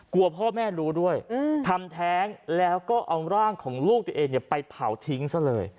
กลัวพ่อแม่รู้ด้วยทำแท้งแล้วก็เอาร่างของลูกตัวเองไปเผาทิ้งซะเลย